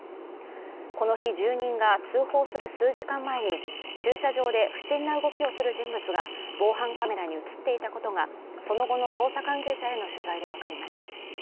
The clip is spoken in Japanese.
この日住人が通報する数時間前に駐車場で不審な動きをする人物が防犯カメラに映っていたことが、その後の捜査関係者への取材でわかりました。